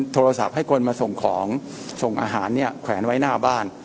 โทรศัพท์ให้คนมาส่งของส่งอาหารเนี่ยแขวนไว้หน้าบ้าน